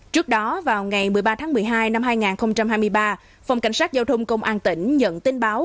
trước đó vào ngày một mươi ba tháng một mươi hai năm hai nghìn hai mươi ba phòng cảnh sát giao thông công an tỉnh nhận tin báo